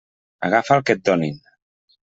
Agafa el que et donin.